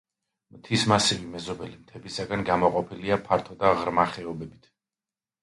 მთის მასივი მეზობელი მთებისაგან გამოყოფილია ფართო და ღრმა ხეობებით.